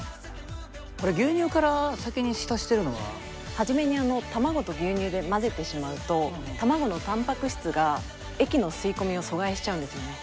これ牛乳から先に浸してるのは？初めに卵と牛乳で混ぜてしまうと卵のたんぱく質が液の吸い込みを阻害しちゃうんですよね。